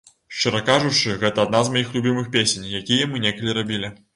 Шчыра кажучы, гэта адна з маіх любімых песень, якія мы некалі рабілі.